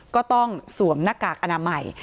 ก็ต้องสวมหน้ากากอนามใหม่